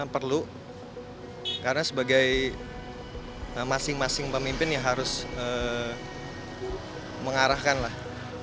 perlu karena sebagai masing masing pemimpin ya harus mengarahkan lah